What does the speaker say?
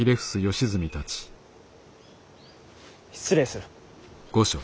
失礼する。